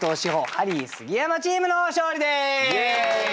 ハリー杉山チームの勝利です！